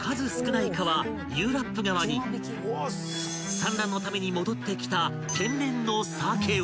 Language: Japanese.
［産卵のために戻ってきた天然の鮭を］